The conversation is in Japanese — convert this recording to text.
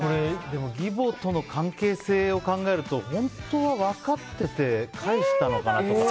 でも義母との関係性を考えると本当は分かってて返したのかなとか。